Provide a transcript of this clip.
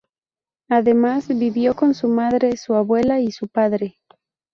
Además vivió con su madre, su abuela y su padre.